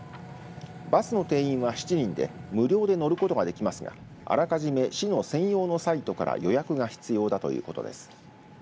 バスの定員は７人で無料で乗ることができますがあらかじめ市の専用のサイトから予約が必要だということです。